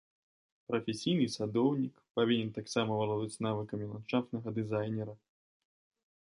Прафесійны садоўнік павінен таксама валодаць навыкамі ландшафтнага дызайнера.